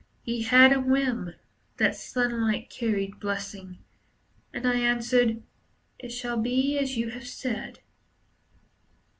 He had a whim That sunlight carried blessing. And I answered, "It shall be as you have said."